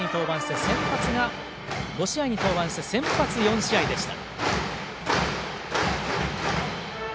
５試合に登板して先発４試合でした。